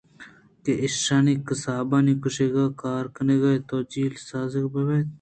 کہ ایشانی (قصابانی) کُشَک ءُ گار کنگ ءِ توجیل ئے سازگ بہ بیت